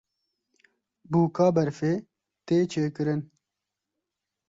Bûka berfê tê çêkirin.